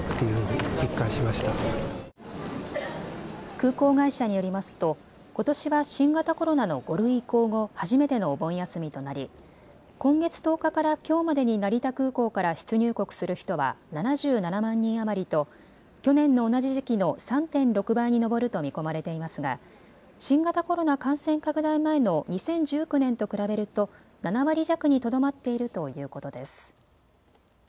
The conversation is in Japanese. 空港会社によりますとことしは新型コロナの５類移行後、初めてのお盆休みとなり今月１０日からきょうまでに成田空港から出入国する人は７７万人余りと去年の同じ時期の３．６倍に上ると見込まれていますが新型コロナ感染拡大前の２０１９年と比べると７割弱にとどまっているということです。